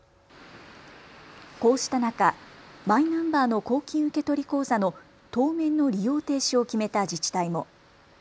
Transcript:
こうした中、マイナンバーの公金受取口座の当面の利用停止を決めた自治体も。